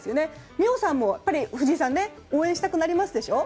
美桜さんも藤井さん応援したくなりますでしょう？